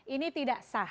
ini tidak sah